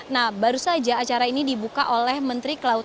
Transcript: nah baru saja acara ini dibuka oleh menteri kelautan